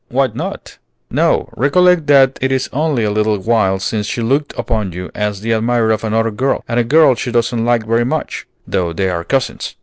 Why not?" "No. Recollect that it is only a little while since she looked upon you as the admirer of another girl, and a girl she doesn't like very much, though they are cousins.